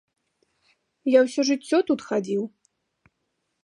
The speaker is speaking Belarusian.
Я ўсё жыццё тут хадзіў.